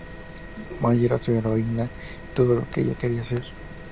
May era su heroína y todo lo que ella quería ser.